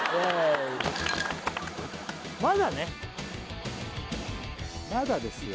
まだねまだですよ